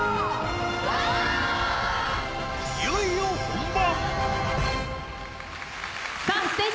いよいよ本番！